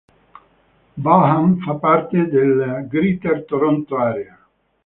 Vaughan fa parte della Greater Toronto Area.